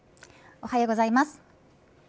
おはようございます。